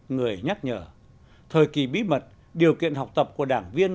người nhắc nhở thời kỳ bí mật điều kiện học tập của đảng viên